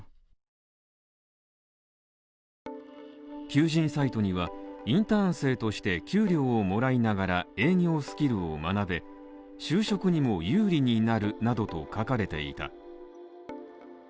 求人サイトにはインターン生として給料をもらいながら、営業スキルを学べ、就職にも有利になるなどと書かれていた。